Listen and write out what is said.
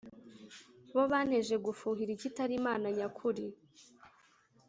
bo banteje gufuhira ikitari imana nyakuri